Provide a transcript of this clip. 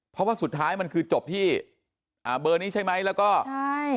เพราะว่าสุดท้ายมันคือจบที่อ่าเบอร์นี้ใช่ไหมแล้วก็ใช่